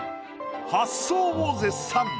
発想を絶賛。